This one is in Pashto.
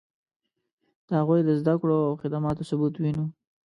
د هغوی د زدکړو او خدماتو ثبوت وینو.